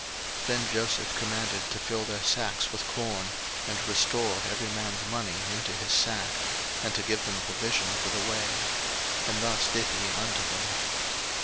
01:042:025 Then Joseph commanded to fill their sacks with corn, and to restore every man's money into his sack, and to give them provision for the way: and thus did he unto them.